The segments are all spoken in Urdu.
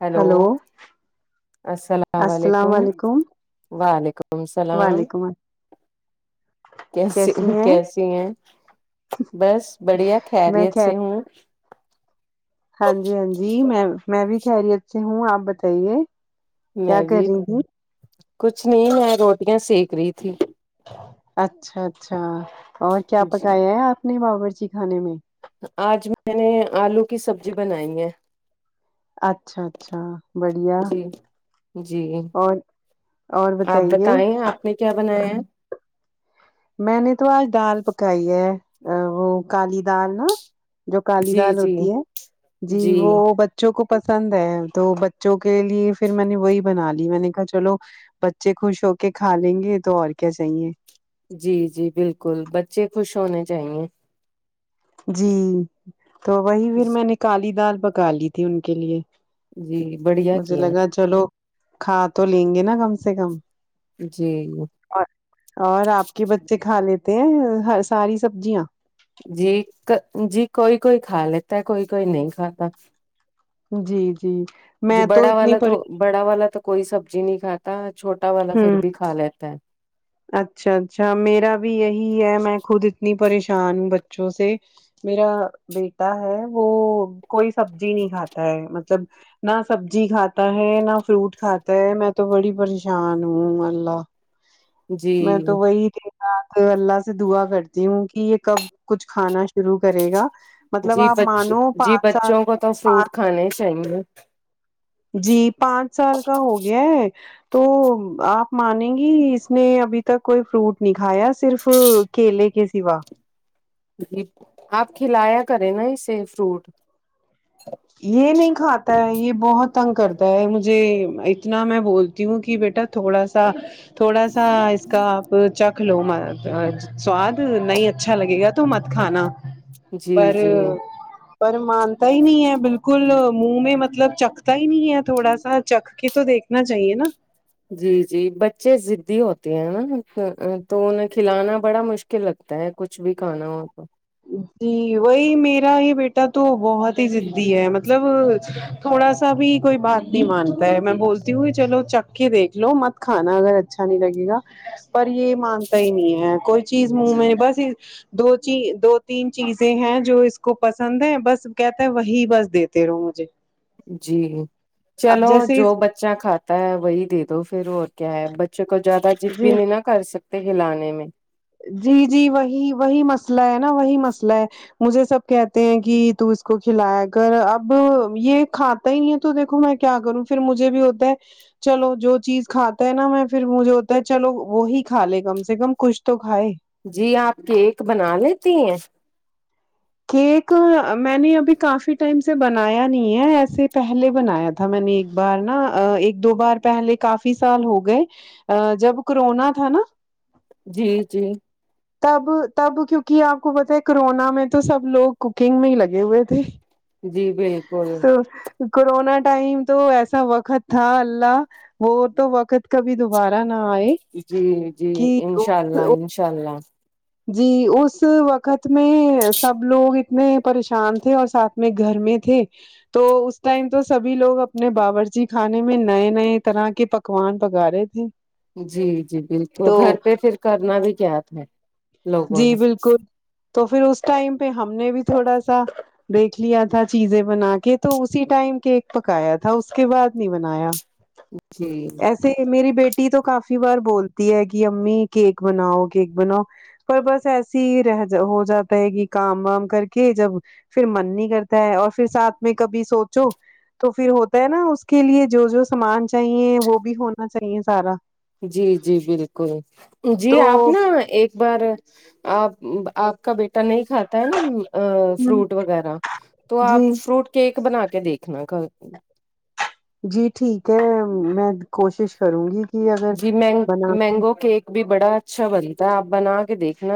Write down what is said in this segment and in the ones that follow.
ہلو اسلام السلام وعلیکم علیکم وعلیکم سلام وعلیکم السلام کیسی ہ کیسی ہیں بس بڑھیا میں کھیریت خیر سے ہوں ہاں جی ہاں جی میں میں بھی کھیریت سے ہوں آپ بتائیے کیا میں کر بھی رہی تھی کچھ نہیں میں روٹیاں سیکھ رہی تھی اچھا اچھا اور کیا پکایا ہے آپ نے باورچی کھانے میں آج میں نے آلو کی سبجی بنائی ہے اچھا اچھا بڑھیا جی جی اور اور آپ بتائیے بتائیں آپ نے کیا بنایا ہے میں نے تو آج دال پکائی ہے وہ کالی دال نا جو کالی جی دال جی ہوتی ہے جی وہ بچ بچوں کو پسند ہے تو بچوں کے لیے پھر میں نے وہی بنا لی میں نے کہا چلو بچے خوش ہو کے کھا لیں گے تو اور کیا چاہیے جی جی بالکل بچے خوش ہونے چاہیے جی تو وہی پھر میں نے کالی دال پکا لی تھی ان کے لیے جی بڑی مجھے لگا چلو کھا تو لیں گے نا کم سے کم جی اور اور آپ کے بچے کھا لیتے ہیں ساری سبزیاں جی جی کوئی کوئی کھا لیتا ہے کوئی کوئی نہیں کھاتا جی جی جی میں تو بڑا اتنی والا پر بڑا والا تو کوئی سبزی نہیں کھاتا چھوٹا والا پھر ہوں بھی کھا لیتا ہے اچھا اچھا میرا بھی یہی ہے میں خود اتنی پریشان ہوں بچوں سے میرا بیٹا ہے وہ کوئی سبزی نہیں کھاتا ہے مط لب نہ سبزی کھاتا ہے نہ فروٹ کھاتا ہے میں تو بڑی پریش شان ہوں اللہ جی میں تو وہی تھی تو اللہ سے دعا کرتی ہوں کہ یہ کب کچھ کھانا شروع کرے گا مطلب جی آپ بچ مانو جی پانچ سال بچوں کو تو فروٹ پانچ کھانے ہی چاہیے جی پانچ سال کا ہو گیا ہے تو آپ مانے گی اس نی ابھی تک کوئی فروٹ نہیں کھایا صرف کیلے کے سوا جی آپ کھلایا کریں نا اسے فروٹ یہ نہیں کھاتا ہے یہ بہت تنگ کرتا ہے مجھے اتنا میں بولتی ہوں کہ بیٹا تھوڑا سا تھوڑا سا اس کا آپ چک کھلو مت سواد نہیں اچھا لگے گا تو مت کھانا جی پر جی پر مانتا ہی نہیں ہے بالکل منہ میں مطلب چکھتا ہی نہیں ہے تھوڑا سا چکھ کے تو دیکھنا چاہیے نا جی جی بچے ضدی ہوتے ہیں نا تو انہیں کھلانا بڑا مش کل لگتا ہے کچھ بھی کھانا ہو تو جی وہی میرا ہی بیٹا تو بہت ہی ضدی ہے مطلب تھوڑا سا بھی کوئی بات نہیں مانتا ہے میں بولتی ہوں کہ چلو چکھ کے دیکھ لو مت کھانا اگر اچھا نہیں لگے گا پر یہ مانتا ہی نہیں ہے کوئی چیز منہ میں بس یہ دو چیز دو تین چیزیں ہیں جو اس کو پسند ہے بس کہتا ہے وہی بس دیتے رہو مجھے جی اب چلو جیسے اس جو بچہ کھاتا ہے وہی دے دو پھر اور کیا ہے بچے کو زیادہ جد بھی جی نہیں نہ کر سکتے ہلانے میں جی جی وہی وہی مسئلہ ہے نا وہی مسئلہ ہے مجھے سب کہتے ہیں کہ تو اس کو کھلایا کر اب یہ کھات تا ہی نہیں تو دیکھو میں کیا کروں پھر مجھے بھی ہوتا ہے چلو جو چیز کھاتا ہے نا میں پھر مجھے ہوتا ہے چلو وہی کا لے کم سے کم کش تو کھائے جی آپ کیک بنا لیتی ہیں کیک میں نے ابھی کافی ٹائم سے بنایا نہیں ہے ایسے پہلے بنایا تھا میں نے ایک بار نا ایک دو بار پہلے کافی سال ہو گئے جب کرونا تھا نا جی جی تب تب کیونکہ آپ کو پتا ہے کرونا میں تو سب لوگ کوکنگ میں ہی لگے ہوئے تھے جی بالکل تو کرونا ٹائم تو ایسا وقت تھا اللہ وہ تو وقت کبھی دوبارہ نہ آئے جی جی کہ انشاء اللہ انشاء اللہ جی اس وقت میں سب لوگ اتنے پریشان تھے اور ساتھ میں گھر میں تھے تو اس ٹائم تو سبھی لوگ اپنے باورچی کھانے میں نئے نئے طرح کے پکوان پکا رہے تھے جی جی بالکل تو گھر پہ پھر کرنا بھی کیا تھا لوگوں جی نے بالکل تو پھر اس ٹائم پہ ہم نے بھی تھوڑا سا دیکھ لیا تھا چیزیں بنا کے تو اسی ٹائم کیک پکایا تھا اس کے بعد نہیں بنایا جی ایسے ہی میری بیٹی تو کافی بار بولتی ہے کہ امی کیک بناؤ کیک بناؤ پر بس ایسی ہی رہ ج ہو جاتا ہے کہ کام وام کر کے جب پھر من نہیں کرتا ہے اور پھر ساتھ میں کبھی سوچو تو پھر ہوتا ہے نا اس کے لیے جو جو سامان چاہیے وہ بھی ہونا چاہیے سارا جی جی بالکل جی تو آپ نا ایک بار آپ آپ کا بیٹا ٹا نہیں کھاتا ہے نا فروٹ وغیرہ تو جی آپ فروٹ کیک بنا کے دیکھنا کل جی ٹھیک ہے میں کوشش کروں گی کہ اگر جی مینگ بنا کے مینگو کیک بھی بڑا اچھا بنتا ہے آپ بنا کے دیکھنا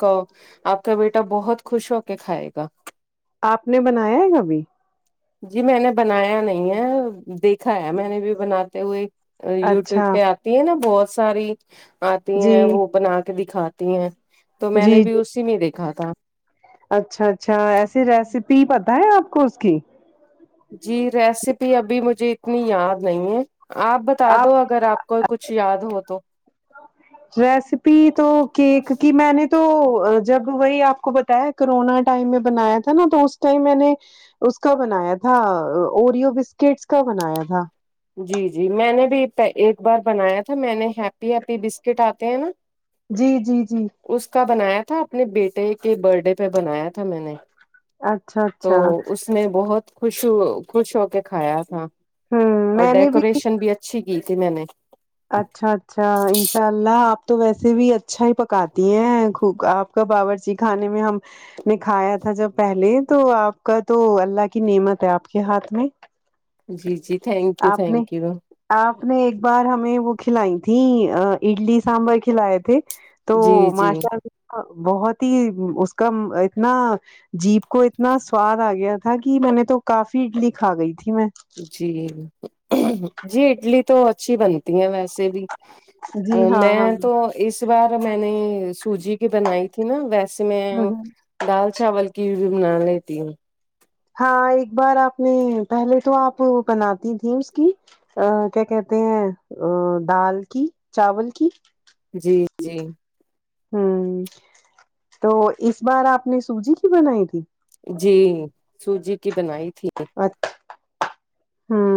کو آپ کا بیٹا بہت خوش ہو کے کھائے گا آپ نے بنایا ہے ابھی جی میں نے بنایا نہیں ہے دیکھا ہے میں نے بھی بناتے ہوئے یوٹیوب اچھا پہ آتی ہے نا بہت ساری آتی جی ہیں وہ بنا کے دکھاتی ہیں تو میں جی نے بھی جی اسی میں دیکھا تھا اچھا اچھا ایسی ریسیپی پتہ ہے آپ کو اس کی جی ریسیپی ابھی مجھے اتنی یاد نہیں ہے آپ بتا آپ دو اگر آپ کوئی کچھ یاد ہو تو ریسیپی تو کیک کی میں نے تو جب وہی آپ کو بتایا کرونا ٹائم میں بنایا تھا نا تو اس ٹائم میں نے اس کا بنایا تھا اوریو بسکٹس کا بنایا تھا جی جی میں نے بھی ایک بار بنایا تھا میں نے ہیپی ہیپی بسکٹ آتے ہیں نا جی جی جی اس کا بنایا تھا اپنے بیٹے کے بر ڈے پہ بنایا تھا میں نے اچھا تو اچھا اس نے بہت خوش خوش ہو کے کھایا تھا ہوں اور میں نے ڈیکوریشن بھی اچھی کی تھی میں نے اچھا اچھا انشاء اللہ آپ تو ویسے بھی اچھا ہی پکاتی ہیں خوگ آپ کا باورچی کھانے میں ہم نے کھایا تھا جب پہلے تو آپ کا تو اللہ کی نعمت ہے آپ کے ہاتھ میں جی جی تھینک یو آپ نے تھینک یو آپ نے ایک بار ہمیں وہ کھلائی تھی اڈلی سانبر کھلائے تھے تو جی جی ماشاء اللہ بہت ہی اس کا اتنا جیپ کو اتنا سواد آ گیا تھا کہ میں نے تو کافی اڈلی کھا گئی تھی میں جی جی اڈلی تو اچھی بنی ہیں ویسے بھی ا جی ہاں ہاں میں تو اس بار میں نے سوجی کی بنائی تھی نا ویسے میں ہ ہ دال چاول کی بھی بنا لیتی ہوں ہاں ایک بار آپ نے پہلے تو آپ بناتی تھی اس کی ا کیا کہتے ہیں ا دال کی چاول کی جی جی ہوں تو اس بار آپ نے سوجی کی بنائی تھی جی سوجی کی بنائی تھی وٹھ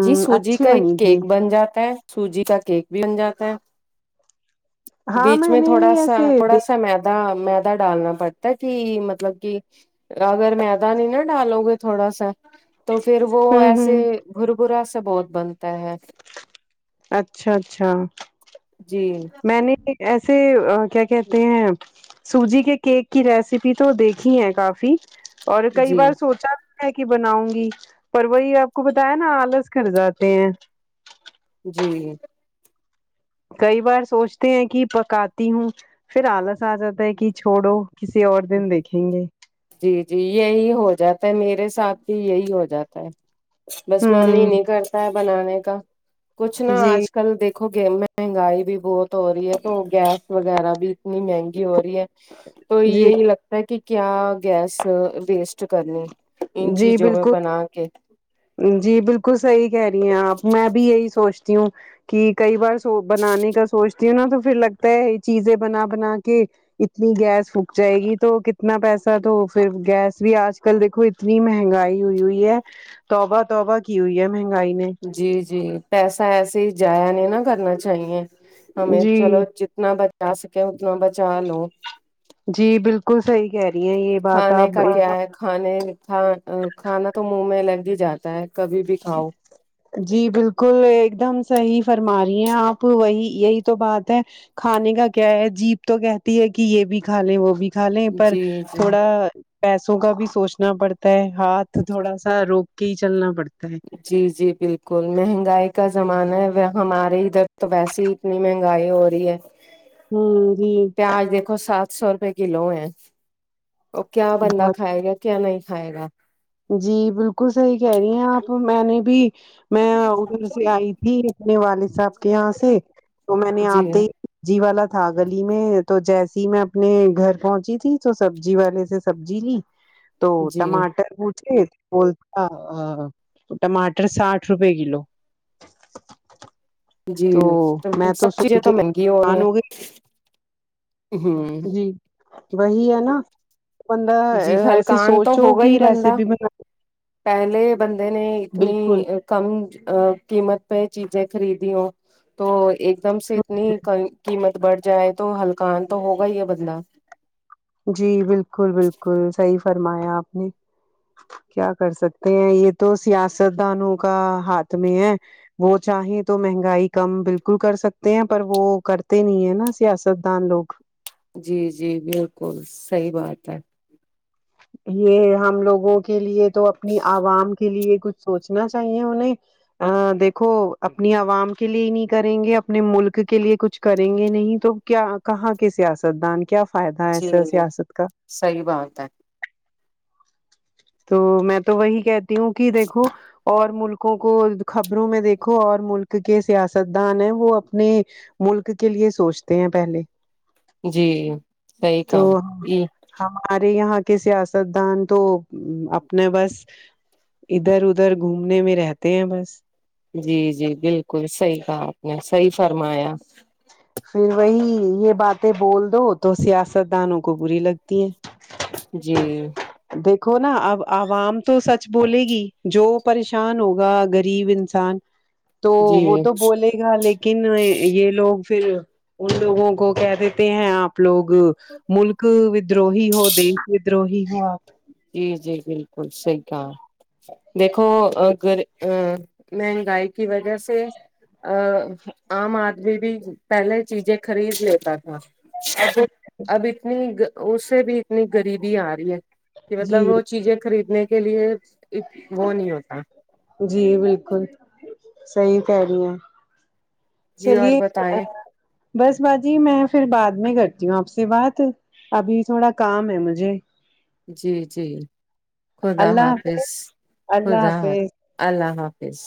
جی سوجی کا ایک کیک بن جاتا ہے سوجی کا کیک بھی بن جاتا ہے ہاں بیچ میں نے تھوڑا بھی سا ایسے د تھوڑا سا میدا میدا ڈالنا پڑتا ہے کی مطلب کہ اگر میدا نہیں نا ڈالو گے تھوڑا سا تو پھر وہ ہوں ایسے ہوں گربرا سے بہت بنتا ہے اچھا اچھا جی میں نے ایسے آ کیا کہتے ہیں سوجی کے کیک کی ریسیپی تو دیکھی ہے کافی اور کئی جی بار سوچا ہے کی بناؤں گی پر وہی آپ کو بتایا نہ آلس کر جاتے ہیں جی کئی بار سوچتے ہیں کہ پکاتی ہوں پھر آلس آ جاتا ہے کہ چھوڑو کسی اور دن دیکھیں گے جی جی یہی ہو جاتا ہے میرے ساتھ بھی یہی ہو جاتا ہے بس من ہی ہوں نہیں کرتا ہے بنانے کا کچھ نا جی آج کل دیک دیکھو الگ مہنگائی بھی بہت ہو رہی ہے تو گیس وغیرہ بھی اتنی مہنگی ہو رہی ہے تو جی یہی لگتا ہے کہ کیا گیس ویسٹ کرنے جی بالکل جی بالکل صحیح کہہ رہی ہیں آپ میں بھی یہی سوچ تی ہوں کہ کئی بار سو بنانے کا سوچتی ہوں نا تو پھر لگتا ہے یہ چیزیں بنا بنا کے اتنی گیس پھوک جائے گی تو کتنا پیسہ تو پھر گیس بھی آج کل دیکھو اتنی مہنگائی ہوئی ہوئی ہے توبہ توبہ کی ہوئی ہے مہنگائی نے جی جی پیسہ ایسے ہی جایا نہیں نا کرنا چاہیے ہمیں جی چلو جتنا بچا سکے اتنا بچا لو جی بالکل صحیح کہہ رہی ہیں یہ بات کھانے آپ کا کیا ہے کھانے کھ کھانا تو منہ میں لگ ہی جاتا ہے کبھی بھی کھاؤ جی بالکل ایک دم صحیح فرما رہی ہیں آپ وہی یہی تو بات ہے کھانے کا کیا ہے جیپ تو کہتی ہے کہ یہ بھی کھا لیں وہ بھی کھلے پر جی جی تھوڑا پیسوں کا بھی سوچنا پڑتا ہے ہاتھ تھوڑا سا آ روک کے ہی چلنا پڑ جی جی بالکل مہنگائی کا زمانہ ہے وے ہمارے ادھر تو ویسے ہی اتنی مہنگائی ہو رہی ہے ہاں جی پیاز دیکھو سات سو روپئے کلو ہے وہ کیا بندہ بہت کھائے گا کیا نہیں کھائے گا جی بالکل صحیح کہہ رہی ہیں آپ میں نے بھی میں ادھر سے آئی تھی اپنے والد صاحب کے یہاں سے تو میں نے جی آتے ہی جی والا تھا گلی میں تو جیسی ہی میں اپنے گھر پہنچی تھی تو سبزی والے سے سبزی لی تو جی ٹماٹر پوچھے بولتا آ ٹماٹر ساٹھ روپے کلو جی تو ام میں سب سن چیزیں کے تو مہنگی ہونی آان ہیں ہو ہوں گئی جی وہی ہے نہ بندہ جی ایسی ہلکان تو سوچو ہوگا کہ ہی بندہ ریسیپی بنے پہلے بندے نے اتنی بالکل کم قیمت پہ چیزیں خریدی ہوں تو ایک دم سے اتنی کئی قیمت بڑھ جائے تو ہلکان تو ہوگا ہی ہے بدلا جی بالکل بالکل صحیح فرمایا آپ نے کیا کر سکتے ہیں یہ تو سیاست دانوں کا ہاتھ میں ہے وہ چاہیں تو مہنگائی کم بالکل کر سکتے ہیں پر وہ کرتے نہیں ہے نہ سیاست دان لوگ جی جی بالکل صحیح بات ہے یہ ہم لوگوں کے لیے تو اپنی عوام کے لیے کچھ سوچنا چاہیے انہیں ہاں دیکھو اپنی عوام کے لیے ہی نہیں کریں گے اپنے ملک کے لیے کچھ کریں گے نہیں تو کیا کہاں کے سیاست دان کیا فائدہ ہے جی ایسے سیاست کا صحیح بات ہے تو میں تو وہی کہتی ہوں کہ دیکھو اور ملکوں کو خبروں میں دیکھو اور ملک کے سیاست دان ہیں وہ اپنے ملک کے لیے سوچتے ہیں پہلے جی صحیح کہا تو جی ہمارے یہاں کے سیاست دان تو اپنے بس ادھر ادھر گھومنے میں رہتے ہیں بس جی جی بالکل صحیح کہا آپ نے صحیح فرمایا پھر وہی یہ باتیں بول دو تو سیاست دانوں کو بری لگتی ہے جی دیکھو نہ اب عوام تو سچ بولے گی جو پریشان ہوگا غریب انسان تو جی وہ تو بولے گا لیکن یہ لوگ پھر ان لوگوں کو کہہ دیتے ہیں آپ لوگ ملک ویدروہی ہو دیش ویدروہی ہو جی جی بالکل صحیح کہا دیکھو اگر مہنگائی کی وجہ سے ا عام آدمی بھی پہلے چیزیں خرید لیتا تھا اب اب اتنی اس سے بھی اتنی غریبی آ رہی ہے کہ جی مطلب وہ چیزیں خرید نے کے لیے ایک وہ نہیں ہوتا جی بالکل صحیح کہہ رہی ہیں [unintelligible] جی اور چلیے بتائیں بس باجی میں پھر بعد میں کرتی ہوں آپ سے بات ابھی تھوڑا کام ہے مجھے جی جی خدا حافظ اللہ خدا حافظ اللہ حافظ